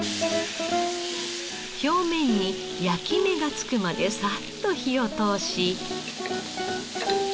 表面に焼き目がつくまでさっと火を通し。